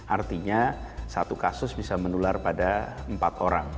artinya satu kasus bisa menular pada empat orang